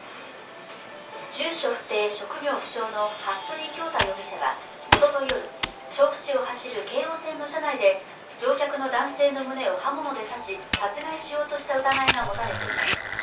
住所不定・職業不詳の服部恭太容疑者はおととい夜、調布市を走る京王線の車内で乗客の男性の胸を刃物で刺し殺害しようとした疑いが持たれています。